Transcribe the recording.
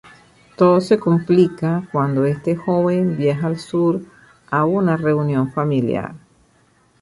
Todo se complica cuando este joven viaja al sur a una reunión familiar.